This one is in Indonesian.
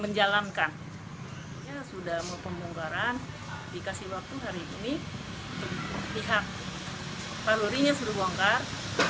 menjalankan sudah mau pembongkaran dikasih waktu hari ini pihak paruri nya sudah bongkar